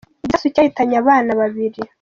Igisasu cyahitanye abana babiri